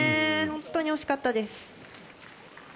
本当に惜しかったです。